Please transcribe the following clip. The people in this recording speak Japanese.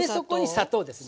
砂糖ですね。